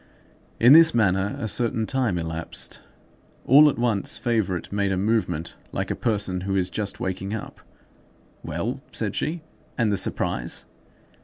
In this manner a certain time elapsed. All at once Favourite made a movement, like a person who is just waking up. "Well," said she, "and the surprise?"